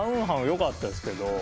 良かったですけど。